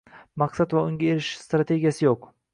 Maqsad va unga erishish strategiyasi yo'q